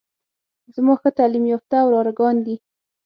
زما ښه تعليم يافته وراره ګان دي.